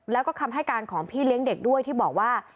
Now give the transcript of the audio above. แล้วก็คำให้การของพี่เลี้ยงเด็กด้วยที่บอกว่า